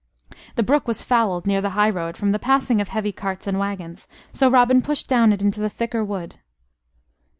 The brook was fouled near the highroad from the passing of heavy carts and wagons, so Robin pushed down it into the thicker wood.